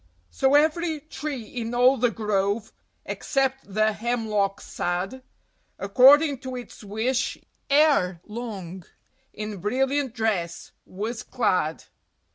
So every tree in all the grove, except the Hemlock sad, According to its wish ere long in brilliant dress was clad.